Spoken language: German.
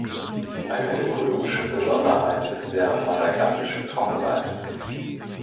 Eine ökologische Besonderheit ist der madagassische Trockenwald.